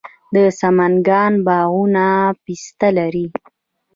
د سمنګان باغونه پسته لري.